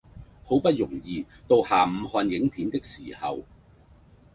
好不容易到下午看影片的時候